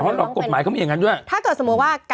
หรอกกฎหมายเขามีอย่างนั้นด้วยถ้าเกิดสมมุติว่า